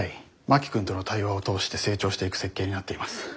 真木君との対話を通して成長していく設計になっています。